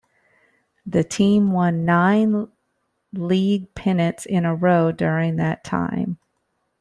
The team won nine league pennants in a row during that time.